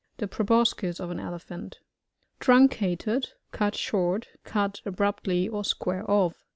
The pro* boscis of an Elephant Truncated. — Cut short Cut abrupt ly, or square off.